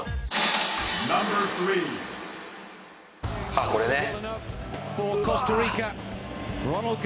あっこれね。